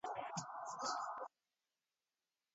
I just joined the Catholic Church.